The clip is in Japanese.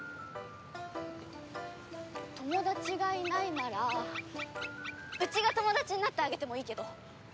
友達がいないならうちが友達になってあげてもいいけど。